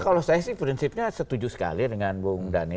kalau saya sih prinsipnya setuju sekali dengan bung dhani